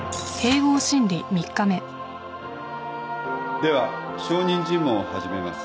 では証人尋問を始めます。